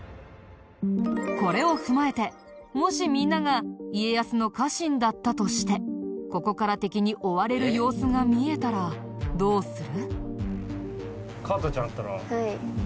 これを踏まえてもしみんなが家康の家臣だったとしてここから敵に追われる様子が見えたらどうする？